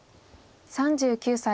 ３９歳。